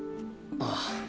ああ。